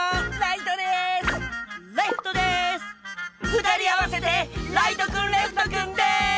ふたりあわせてライトくんレフトくんです！